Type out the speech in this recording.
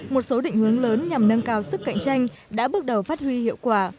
một số định hướng lớn nhằm nâng cao sức cạnh tranh đã bước đầu phát huy hiệu quả